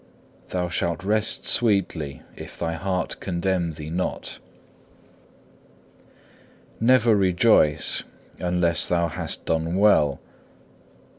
Thou shalt rest sweetly if thy heart condemn thee not. Never rejoice unless when thou hast done well.